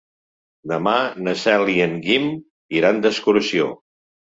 Demà na Cel i en Guim iran d'excursió.